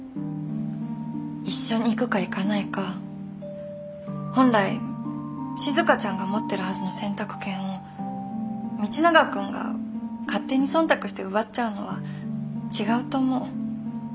一緒に行くか行かないか本来静ちゃんが持ってるはずの選択権を道永君が勝手に忖度して奪っちゃうのは違うと思う。